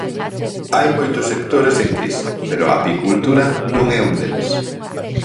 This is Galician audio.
Hai moitos sectores en crise, pero a apicultura non é un deles.